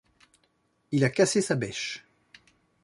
il a cassé sa bêche